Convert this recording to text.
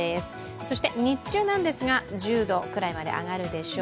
そして日中なんですが１０度くらいまで上がるでしょう。